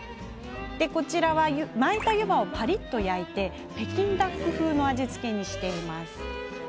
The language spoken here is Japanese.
こちらは、巻いた湯葉をパリっと焼いて北京ダック風の味付けに。